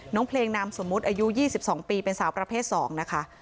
เพลงนามสมมุติอายุ๒๒ปีเป็นสาวประเภท๒นะคะ